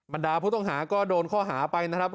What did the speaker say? ดาผู้ต้องหาก็โดนข้อหาไปนะครับ